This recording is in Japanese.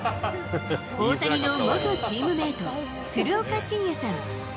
大谷の元チームメート、鶴岡慎也さん。